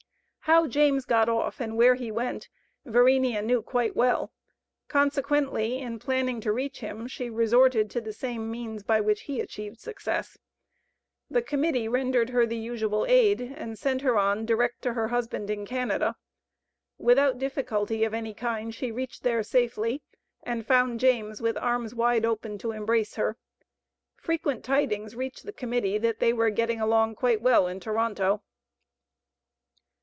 How James got off, and where he went, Verenea knew quite well; consequently, in planning to reach him, she resorted to the same means by which he achieved success. The Committee rendered her the usual aid, and sent her on direct to her husband in Canada. Without difficulty of any kind she reached there safely, and found James with arms wide open to embrace her. Frequent tidings reached the Committee, that they were getting along quite well in Toronto.